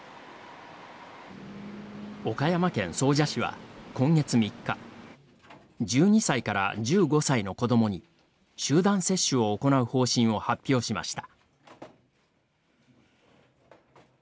岡山県総社市は今月３日、１２歳から１５歳の子どもに集団接種を行う方針を発表しました。